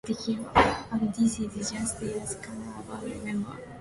And this is just their second album, remember.